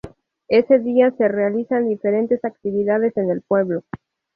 Ese día se realizan diferentes actividades en el pueblo.